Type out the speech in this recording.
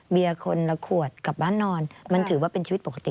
คนละขวดกลับบ้านนอนมันถือว่าเป็นชีวิตปกติ